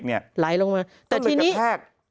ไหลหลงมาแต่ที่นี้ต้องเทรก